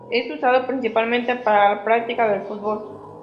Es usado principalmente para la práctica del fútbol.